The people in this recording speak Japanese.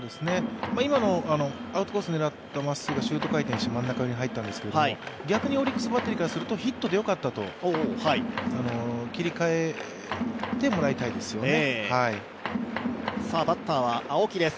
今のアウトコースを狙ったシュート回転して真ん中寄りに入ったんですけど、逆にオリックスバッテリーからするとヒットでよかったと、切り替えてもらいたいですよね。